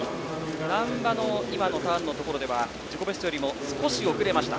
難波のターンのところは自己ベストよりも少し遅れました。